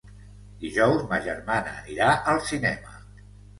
Dijous ma germana anirà al cinema.